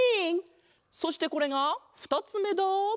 そしてこれがふたつめだ！